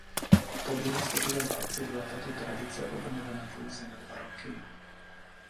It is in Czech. Po druhé světové válce byla tato tradice obnovena pouze na dva roky.